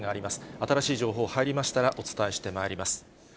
新しい情報入りましたらお伝えしてまいります。